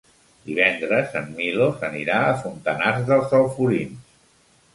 Divendres en Milos anirà a Fontanars dels Alforins.